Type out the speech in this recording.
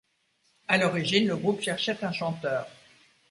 À l'origine, le groupe cherchait un chanteur.